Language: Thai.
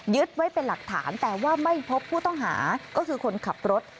ไว้เป็นหลักฐานแต่ว่าไม่พบผู้ต้องหาก็คือคนขับรถ